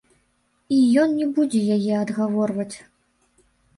І ён не будзе яе адгаворваць.